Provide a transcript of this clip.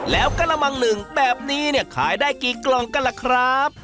แล้วกระมังหนึ่งแบบนี้เนี่ยขายได้กี่กล่องกันล่ะครับ